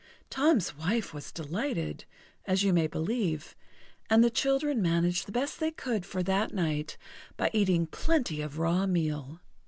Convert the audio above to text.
Tom's wife was delighted, as you may believe, and the children managed the best they could for that night by eating plenty of raw meal.